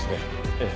ええ。